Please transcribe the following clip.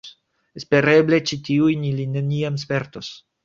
Espereble ĉi tiujn ili neniam spertos.